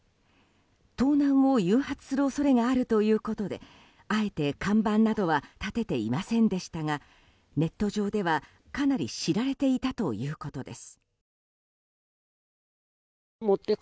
盗難を誘発する恐れがあるということであえて看板などは立てていませんでしたがネット上ではかなり知られていたということです。